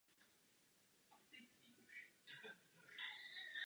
Po další výměně názorů nakonec souhlasí a horníky se jim podaří zachránit.